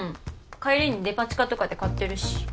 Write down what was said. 帰りにデパ地下とかで買ってるし。